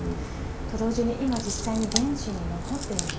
と同時に今実際に現地に残っている人々